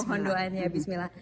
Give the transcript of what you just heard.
mohon doanya bismillah